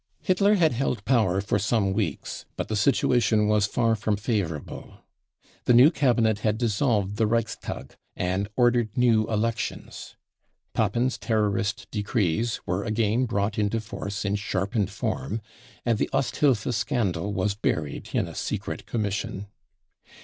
Hitler had held power for some weeks, but the situation was far from favourable. The new Cabinet had dissolved the Reichstag and ordered # ncw elections. Papen's terrorist decrees were again brought into force in sharpened form, and the Osthilfe scandal was buried in a secret commission.